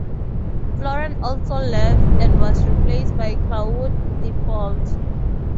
Florent also left and was replaced by Claude Thibeault.